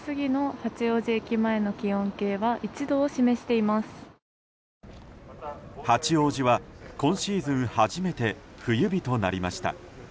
八王子は今シーズン初めて冬日となりました。